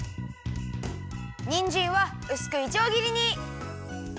にんじんはうすくいちょうぎりに。